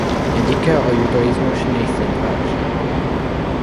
Egyike a judaizmus négy szent városának.